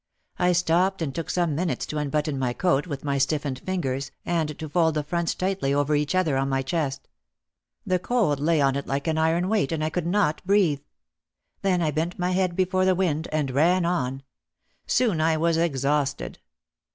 I stopped and took some minutes to unbutton my coat with my stiffened fingers and to fold the fronts tightly over each other on my chest. The cold lay on it like an iron weight and I could not breathe. Then I bent my head before the wind and ran on. Soon I was exhausted.